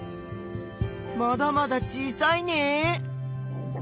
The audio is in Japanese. まだまだ小さいね。